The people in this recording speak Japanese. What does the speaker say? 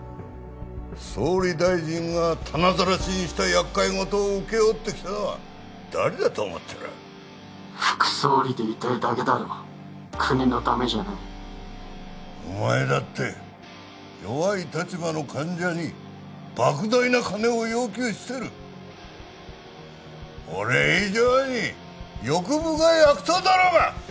総理大臣がたなざらしにした厄介ごとを請け負ってきたのは誰だと思ってる副総理でいたいだけだろ国のためじゃないお前だって弱い立場の患者に莫大な金を要求してる俺以上に欲深い悪党だろうが！